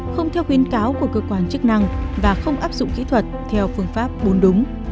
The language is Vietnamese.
không theo khuyến cáo của cơ quan chức năng và không áp dụng kỹ thuật theo phương pháp bốn đúng